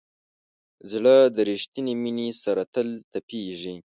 زړه د ریښتینې مینې سره تل تپېږي.